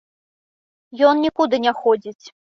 Ён нікуды не ходзіць.